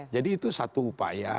jadi itu satu upaya